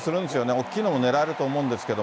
おっきいのも狙えると思うんですけど。